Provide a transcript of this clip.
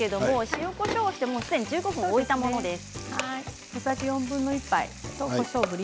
塩、こしょうをして１５分置いたものです。